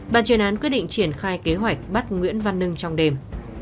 ban chuyên án quyết định triển khai kế hoạch bắt nguyễn văn nưng trong đêm